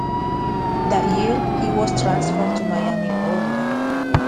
That year, he was transferred to Miami, Florida.